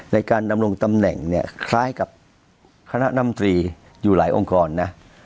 ในการดำรงตำแหน่งเนี่ยคล้ายกับคณะนำตรีอยู่หลายองค์กรนะ